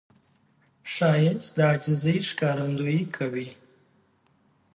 ښایست د عاجزي ښکارندویي کوي